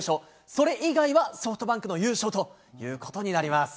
それ以外はソフトバンクの優勝ということになります。